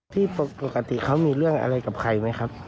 ปกติเขามีเรื่องอะไรกับใครไหมครับ